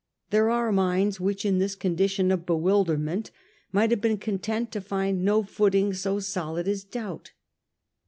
There are minds which in this condi tion of bewilderment might have been content to find ' no footing so solid as doubt.